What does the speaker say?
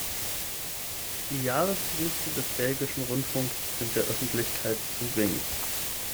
Die Jahresberichte des Belgischen Rundfunks sind der Öffentlichkeit zugänglich.